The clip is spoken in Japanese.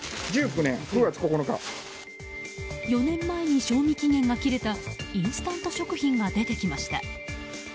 ４年前に賞味期限が切れたインスタント食品が出てきました。